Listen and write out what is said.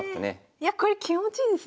いやこれ気持ちいいですね。